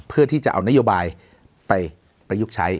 เพื่อที่จะเอานโยบายไปประยุกต์ใช้